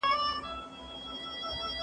علم که مهم نه وای خلکو ولي دونه خوارۍ کښلې .